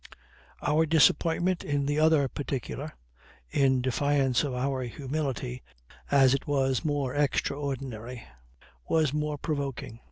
Our disappointment in the other particular, in defiance of our humility, as it was more extraordinary, was more provoking.